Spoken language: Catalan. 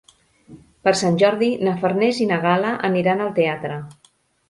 Per Sant Jordi na Farners i na Gal·la aniran al teatre.